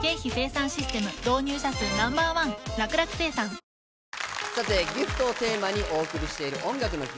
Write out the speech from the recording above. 「ＧＩＦＴギフト」をテーマにお送りしている「音楽の日」。